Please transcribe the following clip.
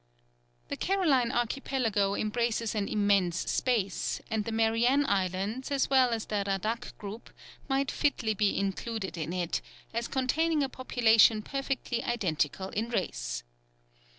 The Caroline Archipelago embraces an immense space, and the Marianne Islands, as well as the Radak group, might fitly be included in it, as containing a population perfectly identical in race.